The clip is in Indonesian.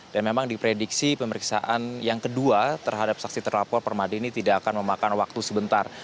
dan memang diprediksi pemeriksaan yang kedua terhadap saksi terlapor permadi ini tidak akan memakan waktu sebentar